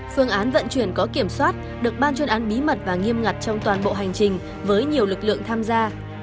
phương án vận chuyển có kiểm soát được ban chuyên án bí mật và nghiêm ngặt trong toàn bộ hành trình với nhiều lực lượng tham gia